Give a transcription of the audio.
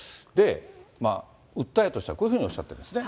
訴えとしてはこういうふうにおっしゃってますね。